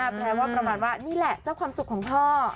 แปลว่าประมาณว่านี่แหละเจ้าความสุขของพ่อ